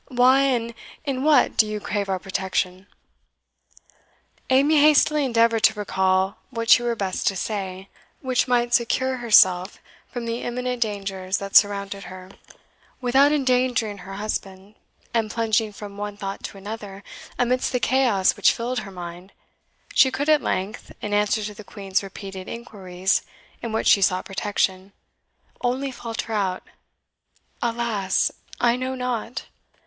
Why, and in what, do you crave our protection?" Amy hastily endeavoured to recall what she were best to say, which might secure herself from the imminent dangers that surrounded her, without endangering her husband; and plunging from one thought to another, amidst the chaos which filled her mind, she could at length, in answer to the Queen's repeated inquiries in what she sought protection, only falter out, "Alas! I know not."